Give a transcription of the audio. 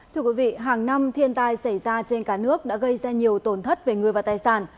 thưa quý vị hàng năm thiên tai xảy ra trên cả nước đã gây ra nhiều tổn thất về người và tài sản